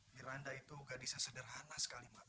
miranda itu gadisnya sederhana sekali mbak